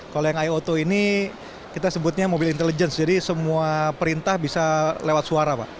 kalau yang i auto ini kita sebutnya mobil intelligence jadi semua perintah bisa lewat suara pak